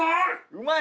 うまい？